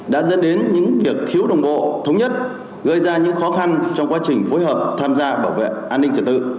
đã dẫn đến những việc thiếu đồng bộ thống nhất gây ra những khó khăn trong quá trình phối hợp tham gia bảo vệ an ninh trật tự